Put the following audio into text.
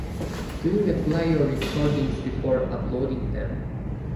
Do you replay your recordings before uploading them?